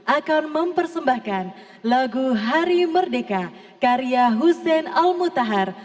akan mempersembahkan lagu hari merdeka karya hussein al mutahar